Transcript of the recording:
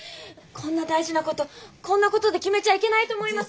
こんな大事なことこんなことで決めちゃいけないと思います。